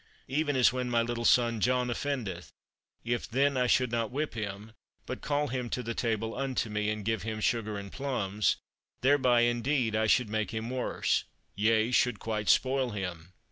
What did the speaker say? Even as when my little son John offendeth: if then I should not whip him, but call him to the table unto me, and give him sugar and plums, thereby, indeed, I should make him worse, yea, should quite spoil him.